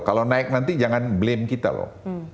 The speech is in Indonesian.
kalau naik nanti jangan blame kita loh